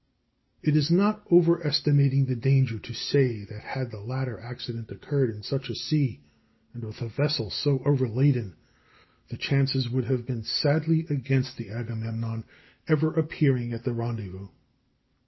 It is not overestimating the danger to say that had the latter accident occurred in such a sea, and with a vessel so overladen the chances would have been sadly against the Agamemnon ever appearing at the rendezvous.